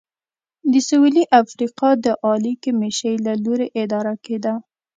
د سوېلي افریقا د عالي کمېشۍ له لوري اداره کېده.